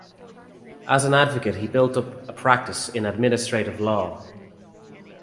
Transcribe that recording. As an advocate he built up a practice in administrative law.